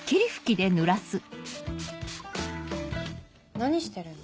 何してるの？